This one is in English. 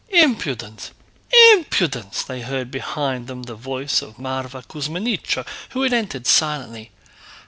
"Impudence! Impudence!" they heard behind them the voice of Mávra Kuzmínichna who had entered silently.